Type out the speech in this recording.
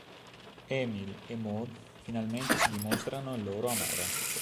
Émile e Maud finalmente si dimostrano il loro amore.